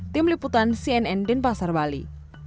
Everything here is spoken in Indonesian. tim liputan cnn denpasar bali